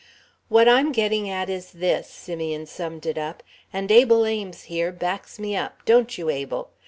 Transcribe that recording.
"What I'm getting at is this," Simeon summed it up, "and Abel Ames, here, backs me up don't you, Abel?